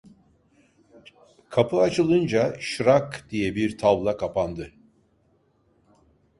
Kapı açılınca "şırrakl" diye bir tavla kapandı.